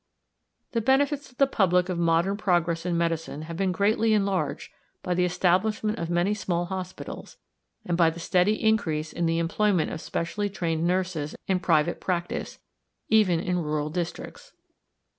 The benefits to the public of modern progress in medicine have been greatly enlarged by the establishment of many small hospitals, and by the steady increase in the employment of specially trained nurses in private practice, even in rural districts.